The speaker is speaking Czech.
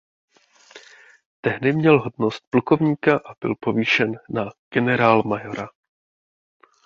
Tehdy měl hodnost plukovníka a byl povýšen na generálmajora.